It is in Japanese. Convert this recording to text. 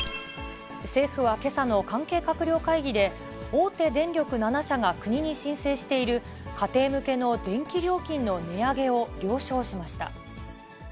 政府はけさの関係閣僚会議で、大手電力７社が国に申請している家庭向けの電気料金の値上げを了承しました。